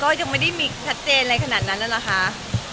ก็ยังไม่ได้ว่ามีอะไรขนาดนั้นเรากันหรอคะ